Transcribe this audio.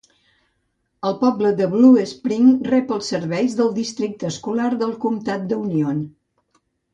El poble de Blue Springs rep els serveis del districte escolar del comtat de Union.